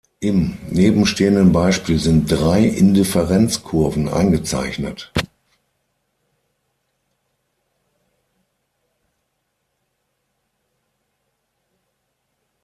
Im nebenstehenden Beispiel sind drei Indifferenzkurven eingezeichnet.